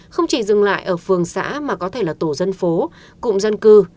không chỉ dừng lại ở phường xã mà có thể là tổ dân phố cụm dân cư